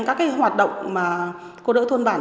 các cái hoạt động mà cô đỡ thôn bản